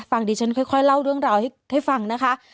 ดิฉันค่อยเล่าเรื่องราวให้ฟังนะคะ